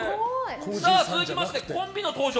続きまして、コンビの登場。